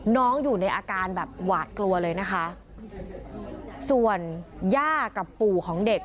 อยู่ในอาการแบบหวาดกลัวเลยนะคะส่วนย่ากับปู่ของเด็ก